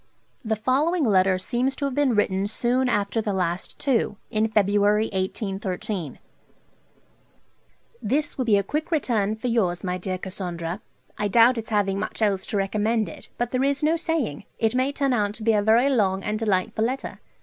The following letter seems to have been written soon after the last two: in February 1813: 'This will be a quick return for yours, my dear Cassandra; I doubt its having much else to recommend it; but there is no saying; it may turn out to be a very long and delightful letter.